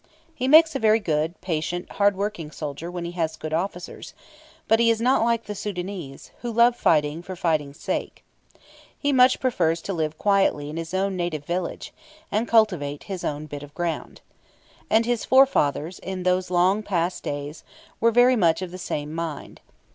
He makes a very good, patient, hardworking soldier when he has good officers; but he is not like the Soudanese, who love fighting for fighting's sake. He much prefers to live quietly in his own native village, and cultivate his own bit of ground. And his forefathers, in these long past days, were very much of the same mind.